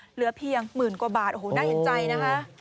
เหลือเพียงหมื่นกว่าบาทโอ้โหน่าเห็นใจนะคะ